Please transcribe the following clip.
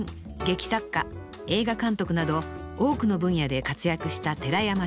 劇作家映画監督など多くの分野で活躍した寺山修司。